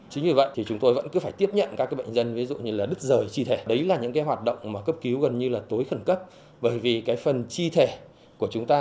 chính vì vậy thì chúng tôi vẫn cứ phải tiếp nhận các bệnh dân ví dụ như là đứt rời chi thể đấy là những cái hoạt động cấp cứu gần như là tối khẩn cấp bởi vì cái phần chi thể của chúng ta